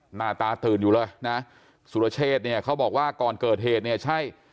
หน้าตาตื่นอยู่เลยนะสุรเชษเนี่ยเขาบอกว่าก่อนเกิดเหตุเนี่ยใช่